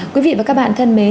quý vị và các bạn thân mến